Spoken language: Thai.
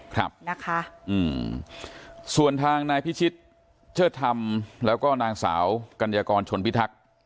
ครับนะคะอืมส่วนทางนายพิชิตเชิดธรรมแล้วก็นางสาวกัญญากรชนพิทักษ์